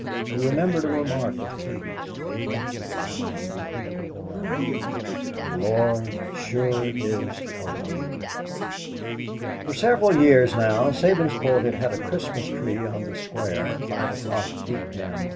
He remembered a remark of Katie's, made months ago, and he repeated it aloud, "The Lord sure is a wonder!" For several years now Sabinsport had had a Christmas tree on the square at five P. M.